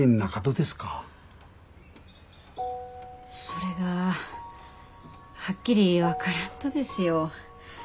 それがはっきり分からんとですよ。